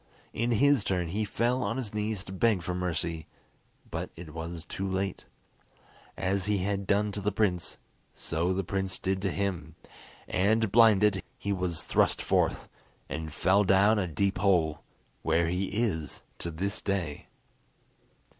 In his turn he fell on his knees to beg for mercy, but it was too late. As he had done to the prince, so the prince did to him, and, blinded, he was thrust forth, and fell down a deep hole, where he is to this day.